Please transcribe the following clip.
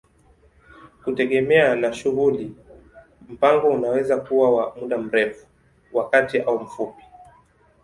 Kutegemea na shughuli, mpango unaweza kuwa wa muda mrefu, wa kati au mfupi.